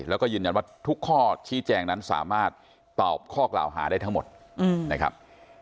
แล้วก็ยืนยันว่าทุกข้อชี้แจงนั้นสามารถตอบข้อกล่าวหาได้ทั้งหมดนะครับ